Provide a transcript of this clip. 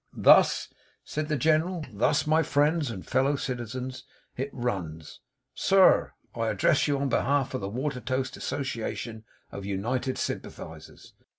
'Thus,' said the General, 'thus, my friends and fellow citizens, it runs: '"SIR I address you on behalf of the Watertoast Association of United Sympathisers.